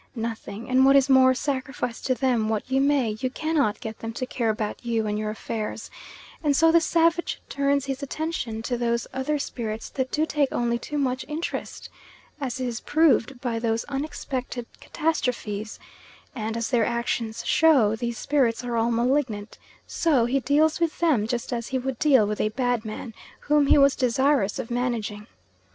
Nothing; and what is more, sacrifice to them what you may, you cannot get them to care about you and your affairs, and so the savage turns his attention to those other spirits that do take only too much interest, as is proved by those unexpected catastrophes; and, as their actions show, these spirits are all malignant, so he deals with them just as he would deal with a bad man whom he was desirous of managing.